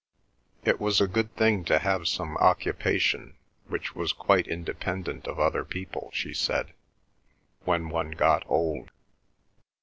It was a good thing to have some occupation which was quite independent of other people, she said, when one got old.